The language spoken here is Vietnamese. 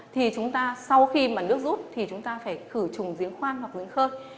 thì chúng ta sau khi mà nước rút thì chúng ta phải khử trùng giếng khoan hoặc những khơi